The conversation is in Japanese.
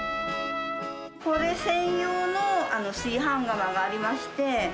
これ専用の炊飯釜がありまして。